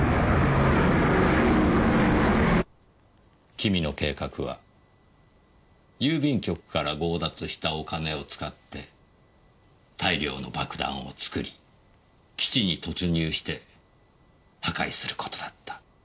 君の計画は郵便局から強奪したお金を使って大量の爆弾を作り基地に突入して破壊する事だった。